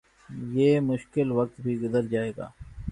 یہ مشکل وقت بھی گزر جائے گا